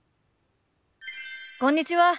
こんにちは。